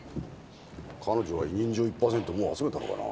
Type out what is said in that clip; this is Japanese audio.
彼女は委任状１パーセントもう集めたのかな？